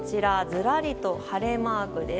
ずらりと晴れマークです。